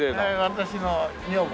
私の女房。